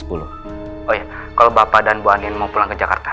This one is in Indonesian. oh ya kalau bapak dan bu anien mau pulang ke jakarta